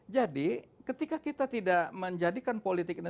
jadi ketika kita tidak menjadikan politik ini